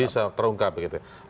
bisa terungkap begitu ya